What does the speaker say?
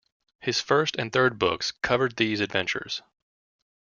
His first and third books covered these adventures.